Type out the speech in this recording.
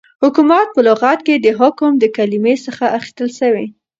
حكومت په لغت كې دحكم دكلمې څخه اخيستل سوی